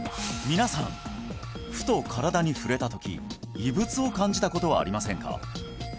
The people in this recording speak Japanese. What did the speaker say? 皆さんふと身体に触れた時異物を感じたことはありませんか？